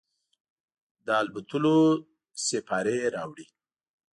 د الوتلوسیپارې راوړي